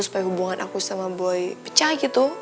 supaya hubungan aku sama boy pecah gitu